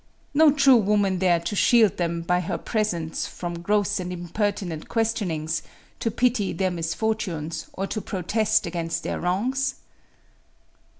No true woman there to shield them, by her presence, from gross and impertinent questionings, to pity their misfortunes, or to protest against their wrongs?